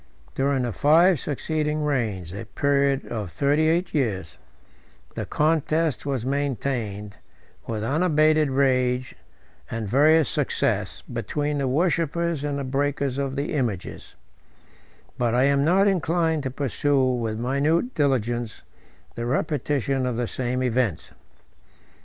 During the five succeeding reigns, a period of thirty eight years, the contest was maintained, with unabated rage and various success, between the worshippers and the breakers of the images; but I am not inclined to pursue with minute diligence the repetition of the same events.